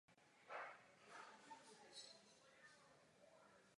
Paní předsedající, vystupuji na podporu svého kolegy, Zbigniewa Zaleskiho.